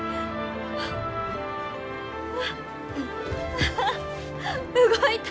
アハ動いた！